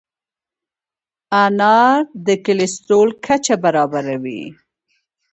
انار د کولیسټرول کچه برابروي.